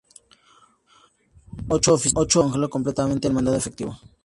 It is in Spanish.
Ocho oficiales congoleños completaban el mando efectivo.